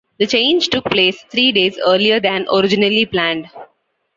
The change took place three days earlier than originally planned.